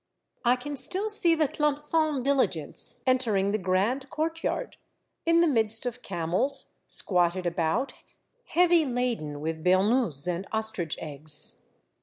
I can still see the Tlemcen diligence entering the grand courtyard, in the midst of camels squatted about, heavy laden with burnouses and ostrich eggs.